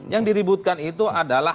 yang diributkan itu adalah